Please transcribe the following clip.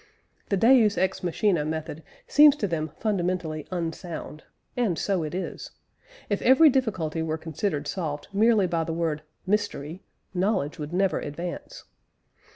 The deus ex machina method seems to them fundamentally unsound, and so it is. If every difficulty were considered solved merely by the word "mystery," knowledge would never advance.